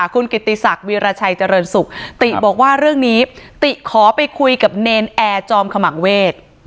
คุณกิติศักดิราชัยเจริญสุขติบอกว่าเรื่องนี้ติขอไปคุยกับเนรนแอร์จอมขมังเวท